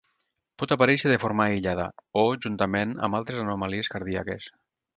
Pot aparèixer de forma aïllada o juntament amb altres anomalies cardíaques.